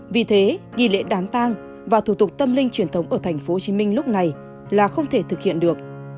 vì thế nghi lễ đám tang và thủ tục tâm linh truyền thống ở tp hcm lúc này là không thể thực hiện được